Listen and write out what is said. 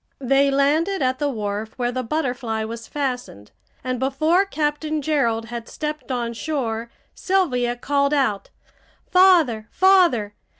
They landed at the wharf where the Butterfly was fastened, and before Captain Gerald had stepped on shore Sylvia called out: "Father! Father!